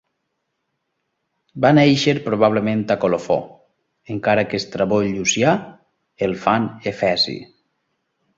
Va néixer probablement a Colofó, encara que Estrabó i Llucià el fan efesi.